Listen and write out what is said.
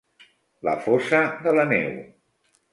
La fosa de la neu.